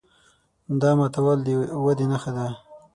دا ماتول د ودې نښه ده.